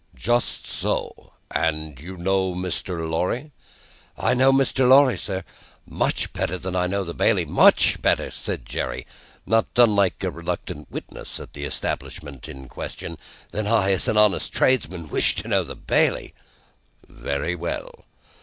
"Just so. And you know Mr. Lorry." "I know Mr. Lorry, sir, much better than I know the Bailey. Much better," said Jerry, not unlike a reluctant witness at the establishment in question, "than I, as a honest tradesman, wish to know the Bailey." "Very well.